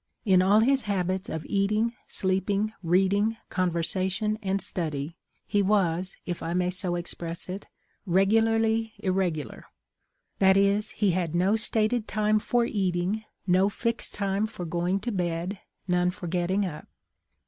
In all his habits of eating, sleeping, reading, conversation, and study he was, if I may so express it, regularly irregular; that is, he had no stated time for eating, S2I 522 THE UP£ OF LINCOLN. no fixed time for going to bed, none for getting up.